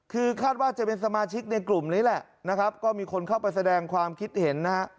คือคาดว่าจะเป็นสมาชิกในกลุ่มนี้แหละนะครับก็มีคนเข้าไปแสดงความคิดเห็นนะฮะ